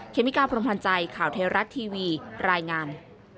เมกาพรมพันธ์ใจข่าวไทยรัฐทีวีรายงาน